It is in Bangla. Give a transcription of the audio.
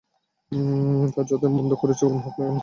তা যতই মন্দ ও কুরুচীপূর্ণ হোক না কেন।